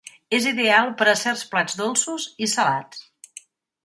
És ideal per a certs plats dolços i salats.